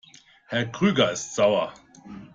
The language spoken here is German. Herr Krüger ist sauer.